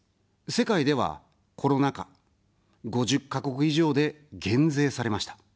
世界では、コロナ禍、５０か国以上で減税されました。